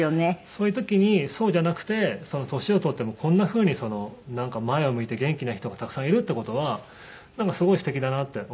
そういう時にそうじゃなくて年を取ってもこんなふうに前を向いて元気な人がたくさんいるっていう事はすごいすてきだなって思います。